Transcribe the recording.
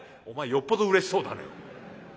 「お前よっぽどうれしそうだね。